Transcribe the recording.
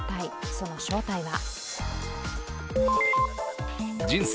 その正体は？